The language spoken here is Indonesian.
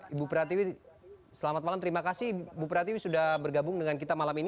ibu pratiwi selamat malam terima kasih ibu pratiwi sudah bergabung dengan kita malam ini